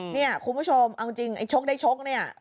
เนี่ยคุณผู้ชมเอาจริงไอ้ชกได้ชกเนี่ย